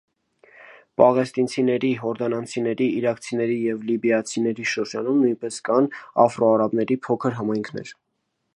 Պաղեստինցիների, հորդանանցիների, իրաքցիների և լիբիացիների շրջանում նույնպես կան աֆրոարաբների փոքր համայնքներ։